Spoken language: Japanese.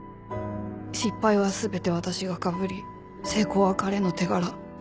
失敗は全て私がかぶり成功は彼の手柄。